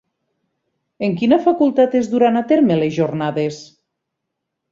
En quina facultat es duran a terme les jornades?